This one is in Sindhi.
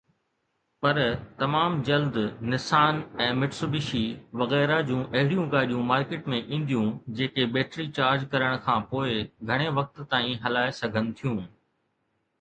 پر تمام جلد نسان ۽ مٽسوبشي وغيره جون اهڙيون گاڏيون مارڪيٽ ۾ اينديون جيڪي بيٽري چارج ڪرڻ کانپوءِ گهڻي وقت تائين هلائي سگهن ٿيون.